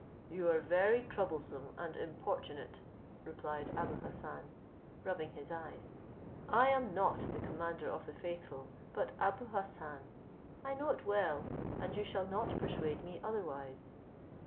"You are very troublesome and importunate," replied Abou Hassan, rubbing his eyes; "I am not the commander of the faithful, but Abou Hassan; I know it well, and you shall not persuade me otherwise."